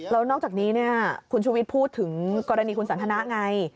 แล้วนอกจากนี้คุณชุวิตพูดถึงกรณีคุณสันทนะไง